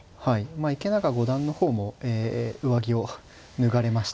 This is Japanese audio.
まあ池永五段の方もえ上着を脱がれまして。